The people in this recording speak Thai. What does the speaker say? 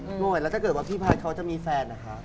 เหนื่อยแล้วถ้าเกิดว่าพี่พายเขาจะมีแฟนนะคะ